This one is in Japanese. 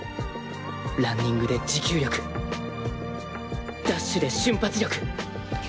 ランニングで持久力ダッシュで瞬発力